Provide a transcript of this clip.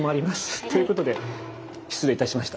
ということで失礼いたしました。